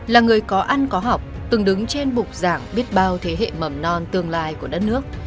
là người có ăn có học từng đứng trên bục giảng biết bao thế hệ mầm non tương lai của đất nước